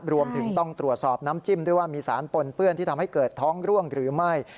รวมถึงต้องตรวจสอบน้ำจิ้มด้วยว่ามีสารปนเปื้อนที่ทำให้เกิดท้องร่วงหรือไม่